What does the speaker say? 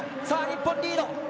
さあ、日本リード。